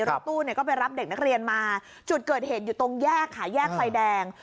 รถตู้ก็ไปรับเด็กนักเรียนมาจุดเกิดเหตุอยู่ตรงแยกค่ะแยกไฟแดง